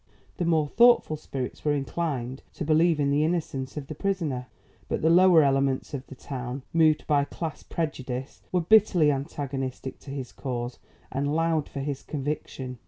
The more thoughtful spirits were inclined to believe in the innocence of the prisoner; but the lower elements of the town, moved by class prejudice, were bitterly antagonistic to his cause and loud for his conviction.